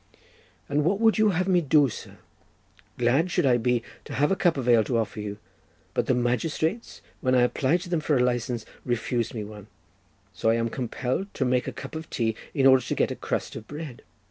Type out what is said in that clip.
"What would you have me do, sir? Glad should I be to have a cup of ale to offer you, but the magistrates, when I applied to them for a license, refused me one; so I am compelled to make a cup of tea in order to get a crust of bread.